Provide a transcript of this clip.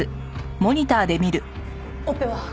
オペは？